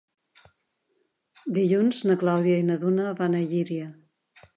Dilluns na Clàudia i na Duna van a Llíria.